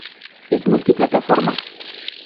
Es multiplataforma.